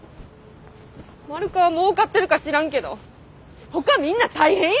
マルカはもうかってるか知らんけどほかみんな大変やねん！